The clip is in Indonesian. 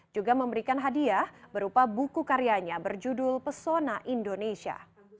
juga memberikan hadiah berupa buku karyanya berjudul pesona indonesia